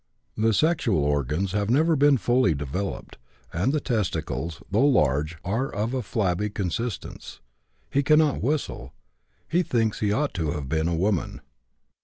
The sexual organs have never been fully developed, and the testicles, though large, are of a flabby consistence. He cannot whistle. He thinks he ought to have been a woman.